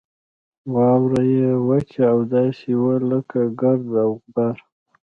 واوره یې وچه او داسې وه لکه ګرد او غبار.